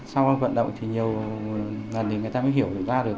sau vận động thì nhiều lần người ta mới hiểu được ra rồi